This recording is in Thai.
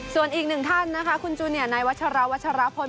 ส่วนอีกหนึ่งท่านนะคะคุณจูเนียนายวัชราวัชรพล